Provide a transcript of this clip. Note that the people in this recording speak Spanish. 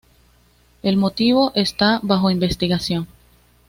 El motivo está bajo investigación.